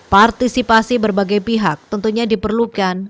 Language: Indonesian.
partisipasi berbagai pihak tentunya diperlukan